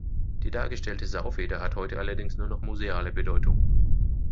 Die dargestellte Saufeder hat heute allerdings nur noch museale Bedeutung.